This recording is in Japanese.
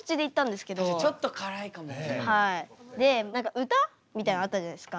で何か歌みたいなのあったじゃないですか。